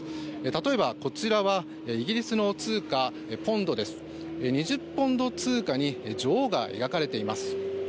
例えばイギリスの通貨ポンドですが２０ポンド通貨に女王が描かれています。